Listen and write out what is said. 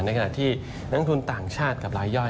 ขณะที่นักทุนต่างชาติกับรายย่อย